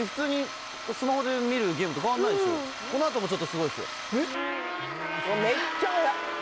この後もちょっとすごいですよ。